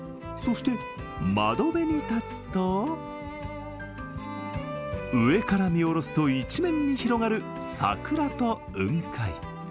そして、窓辺に立つと上から見下ろすと一面に広がる桜と雲海。